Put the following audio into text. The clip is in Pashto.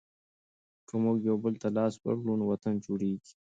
که موږ یوبل ته لاس ورکړو نو وطن جوړېږي.